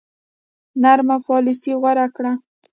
نرمه پالیسي غوره کړه.